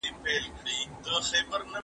ماشوم وویل چې زه اوس لوی شوی یم.